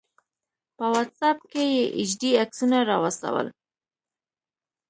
په واټس آپ کې یې ایچ ډي عکسونه راواستول